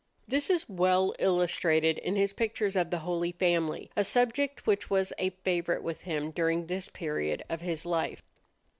This is well illustrated in his pictures of the Holy Family, a subject which was a favorite with him during this period of his life.